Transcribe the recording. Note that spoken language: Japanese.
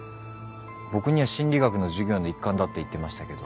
僕には心理学の授業の一環だって言ってましたけど。